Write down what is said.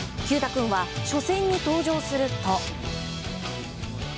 君は初戦に登場すると。